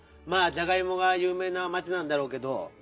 まあじゃがいもがゆう名な町なんだろうけど。